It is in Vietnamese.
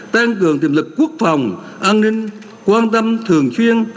tăng cường tiềm lực quốc phòng an ninh quan tâm thường xuyên